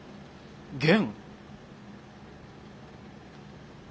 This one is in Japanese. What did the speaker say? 元？